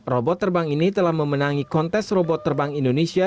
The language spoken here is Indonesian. robot terbang ini telah memenangi kontes robot terbang indonesia